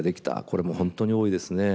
これも本当に多いですね。